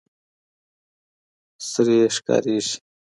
سرې ښكاريږي